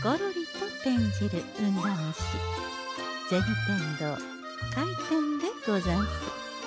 天堂開店でござんす。